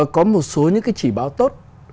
có một số những cái chỉ báo tốt